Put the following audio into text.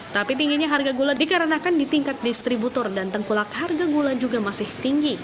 tapi tingginya harga gula dikarenakan di tingkat distributor dan tengkulak harga gula juga masih tinggi